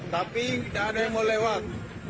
tapi tidak ada yang mau lewat